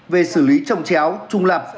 về xử lý trồng chéo trung lập